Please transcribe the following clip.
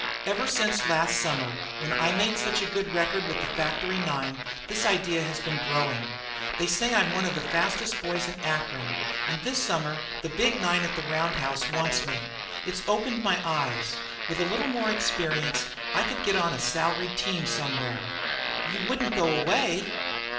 Ever since last summer when I made such a good record with the factory nine this idea has been growing. They say I'm one of the fastest boys in Akron, and this summer the big nine at the round house wants me. It's opened my eyes. With a little more experience I could get on a salaried team some where." "You wouldn't go away?"